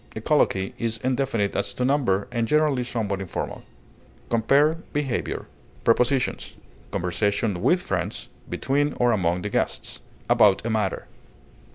A colloquy is indefinite as to number, and generally somewhat informal. Compare BEHAVIOR. Prepositions: Conversation with friends; between or among the guests; about a matter.